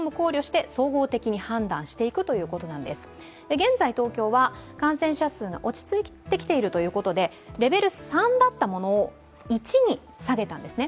現在、東京は感染者数が落ち着いてきているということでレベル３だったものを１に下げたんですね。